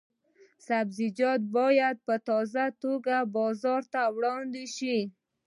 سبزیجات باید په تازه توګه بازار ته وړاندې شي.